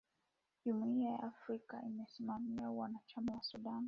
Jumuiya ya umoja wa Afrika imesimamisha uanachama wa Sudan.